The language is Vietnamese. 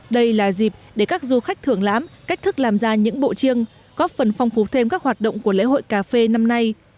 đây là dịp để các du khách thưởng lãm cách thức làm ra những bộ chiêng góp phần phong phú thêm các hoạt động của lễ hội cà phê năm nay